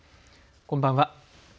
こんばんは。